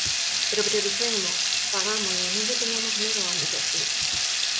Pero prioricemos, fagámolo, non lle teñamos medo ao ámbito civil.